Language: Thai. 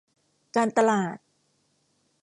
การตลาด